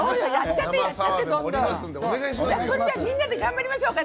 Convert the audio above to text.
それでは、みんなで頑張りましょう！